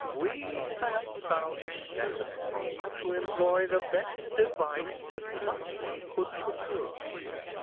"We have found it necessary to employ the best advice that money could procure.